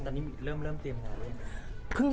ตอนนี้เริ่มเริ่มเตรียมหรือ